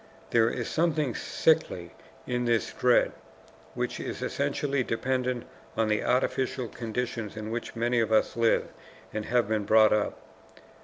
There is something sickly in this dread, which is essentially dependent on the artificial conditions in which many of us live and have been brought up.